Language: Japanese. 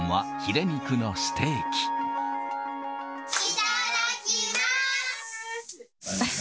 いただきます。